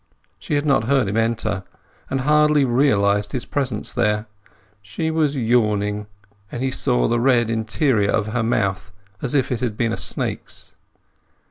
She had not heard him enter, and hardly realized his presence there. She was yawning, and he saw the red interior of her mouth as if it had been a snake's.